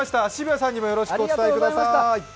澁谷さんにもよろしくお伝えください。